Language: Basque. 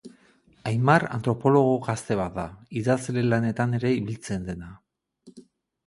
Aimar antropologo gazte bat da, idazle lanetan ere ibiltzen dena.